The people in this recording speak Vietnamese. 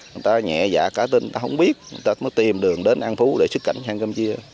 người ta nhẹ dạ cả tin người ta không biết người ta mới tìm đường đến an phú để xuất cảnh sang campuchia